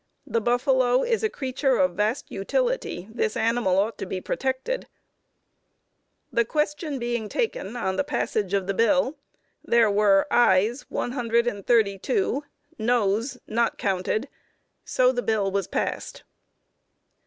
The buffalo is a creature of vast utility, . This animal ought to be protected; ." The question being taken on the passage of the bill, there were ayes 132, noes not counted. So the bill was passed.